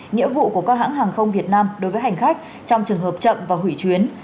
nghĩa vụ của các hãng hàng không việt nam đối với hành khách trong trường hợp chậm và hủy chuyến